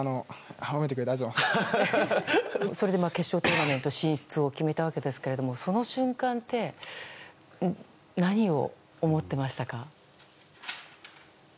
それで決勝トーナメント進出を決めたわけですがその瞬間は何を思っていましたか？